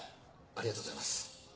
ありがとうございます。